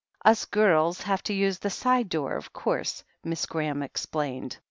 "Us girls have to use the side door, of course," Miss Graham explained.